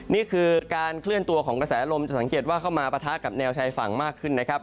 นี่คือการเคลื่อนตัวของกระแสลมจะสังเกตว่าเข้ามาปะทะกับแนวชายฝั่งมากขึ้นนะครับ